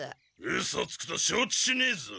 うそつくとしょうちしねえぞ。